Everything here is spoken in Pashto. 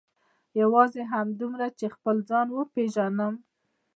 یوازې همدومره چې خپل ځان وپېژنم.